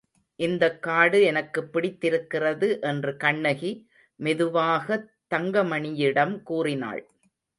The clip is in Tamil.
இந்தக் காடு எனக்குப் பிடித்திருக்கிறது என்று கண்ணகி மெதுவாகத் தங்கமணியிடம் கூறினாள்.